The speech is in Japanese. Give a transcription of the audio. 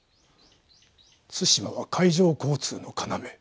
対馬は海上交通の要。